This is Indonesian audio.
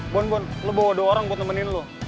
bon bon lo bawa dua orang buat nemenin lo